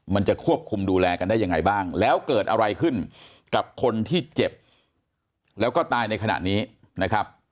มันจะควบคุมดูแลกันได้ยังไงบ้างแล้วเกิดอะไรขึ้นกับคนที่เจ็บแล้วก็ตายในขณะนี้นะครับ